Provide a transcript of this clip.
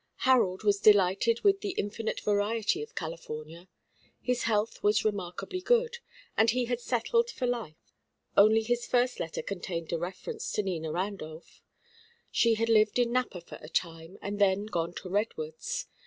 Harold was delighted with the infinite variety of California; his health was remarkably good; and he had settled for life. Only his first letter contained a reference to Nina Randolph. She had lived in Napa for a time, then gone to Redwoods.